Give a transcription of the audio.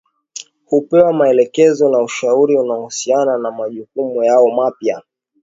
hupewa maelekezo na ushauri unaohusiana na majukumu yao mapya